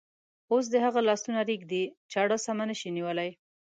اوس د هغه لاسونه رېږدي، چاړه سمه نشي نیولی.